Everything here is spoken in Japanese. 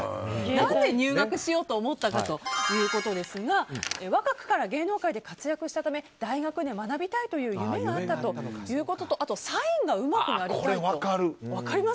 何で入学しようと思ったかということですが若くから芸能界で活躍したため大学で学びたいという夢があったということとこれ、分かる。